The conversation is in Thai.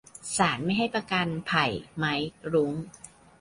ศาลไม่ให้ประกัน ไผ่ ไมค์ รุ้ง